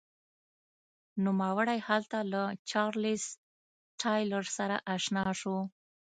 نوموړی هلته له چارلېز ټایلر سره اشنا شو.